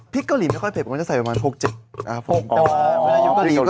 พี่มดดำตำแซ่บพี่ตำไม่เป็นลูก